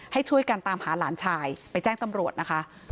ให้ช่วยกันตามหาหลานชายไปแจ้งตำรวจนะคะ